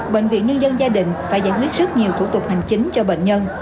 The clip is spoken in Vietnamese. bệnh viện nhân dân gia đình phải giải quyết rất nhiều thủ tục hành chính cho bệnh nhân